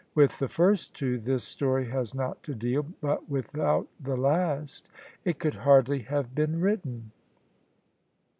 With the first two this story has not to deal : but without the last it could hardly have been written.